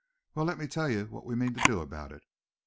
"Well, let me tell ye what we mean to do about it.